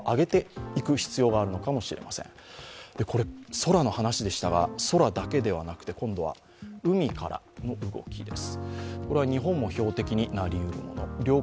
空の話でしたが、空だけではなくて今度は海からの動きです。